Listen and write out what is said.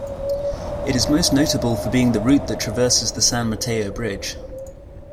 It is most notable for being the route that traverses the San Mateo Bridge.